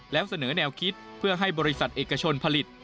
แล้วเสนอแนวคิดเพื่อให้บริษัทเอกชนผลิต